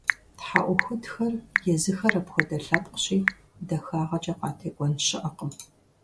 ТхьэӀухудхэр езыхэр апхуэдэ лъэпкъщи, дахагъэкӀэ къатекӀуэн щыӀэкъым.